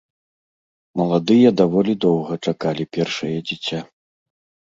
Маладыя даволі доўга чакалі першае дзіця.